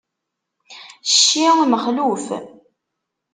Cci, mexluf.